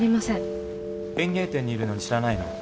園芸店にいるのに知らないの？